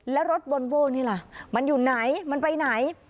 แล้วรถวอนโว้นี่ล่ะมันอยู่ไหนมันไปไหน